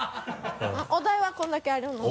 お題はこれだけあるので。